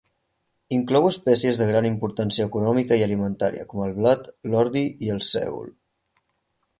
Inclou espècies de gran importància econòmica i alimentària com el blat, l'ordi i el sègol.